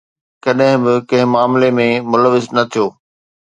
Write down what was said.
ڪڏهن به ڪنهن به معاملي ۾ ملوث نه ٿيو.